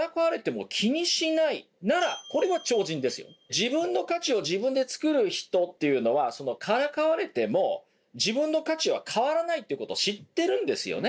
自分の価値を自分で作る人というのはからかわれても自分の価値は変わらないということを知ってるんですよね。